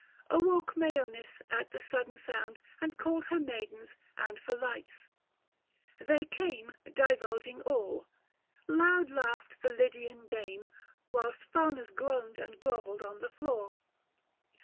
Awoke Mseonis, at the sudden sound, And called her maidens and for lights. They came 360 Divulging all ;— loud laughed the Lydian dame, Whilst Faunus groaned and grovelled on the floor.